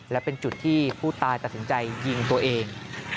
และเป็นจุดที่ผู้ตายตัดสินใจยิงตัวเอง